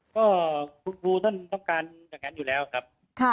ก็ครูท่านต้องการอยู่แล้วครับ